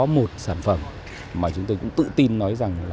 một sản phẩm mà chúng tôi cũng tự tin nói rằng